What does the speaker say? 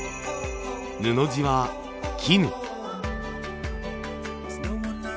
布地は絹。